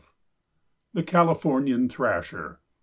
] THE CALIFORNIAN THRASHER.